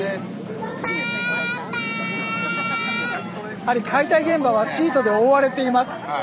やはり解体現場はシートで覆われています。